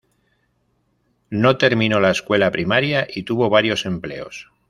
No terminó la escuela primaria, y tuvo varios empleos.